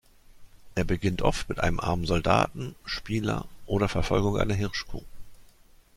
Er beginnt oft mit einem armen Soldaten, Spieler oder Verfolgung einer Hirschkuh.